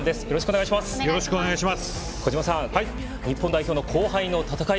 よろしくお願いします。